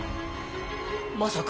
まさか。